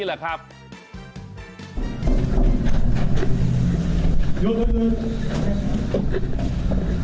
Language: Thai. หันไปมองกระตุกผู้โทษภาพดิ